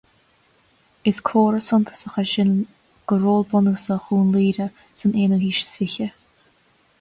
Is comhartha suntasach é sin de ról bunúsach Dhún Laoghaire san aonú haois is fiche